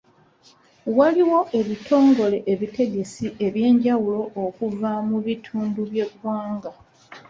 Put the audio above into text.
Waliwo ebitongole ebitegesi eby'enjawulo okuva mu bitundu by'eggwanga.